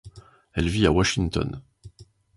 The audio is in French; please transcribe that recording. Elle vit à Washington.